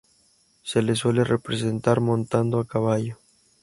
Se le suele representar montado a caballo.